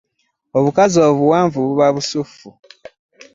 Obukazi obuwanvu buba busuffu.